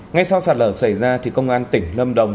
ngay sau sạt lở xảy ra thì công an tỉnh lâm đồng